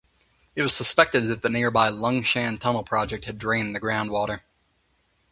It was suspected that the nearby Lung Shan Tunnel Project had drained the groundwater.